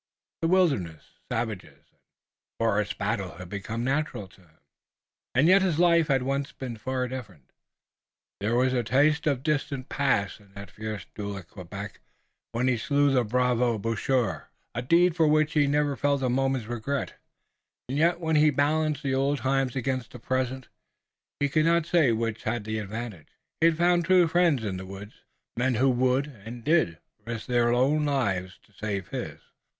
The wilderness, savages and forest battle had become natural to him, and yet his life had once been far different. There was a taste of a distant past in that fierce duel at Quebec when he slew the bravo, Boucher, a deed for which he had never felt a moment's regret, and yet when he balanced the old times against the present, he could not say which had the advantage. He had found true friends in the woods, men who would and did risk their own lives to save his.